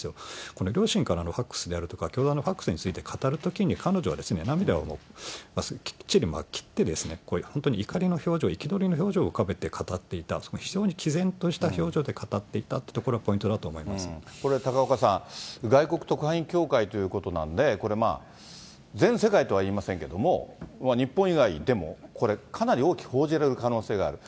この両親からのファックスであるとか、教団のファックスについて語るときに彼女はですね、涙をきっちり切って、本当に怒りの表情、憤りの表情を浮かべて語っていた、非常にきぜんとした表情で語っていたというところがポイントだとこれ、高岡さん、外国特派員協会ということなんで、これ、全世界とは言いませんけれども、日本以外でも、これかなり大きく報じられる可能性がある。